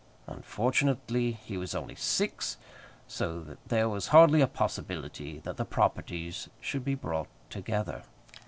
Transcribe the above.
Unfortunately he was only six, so that there was hardly a possibility that the properties should be brought together.